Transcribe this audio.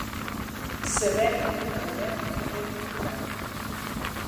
Sabem que traurem aquest diputat.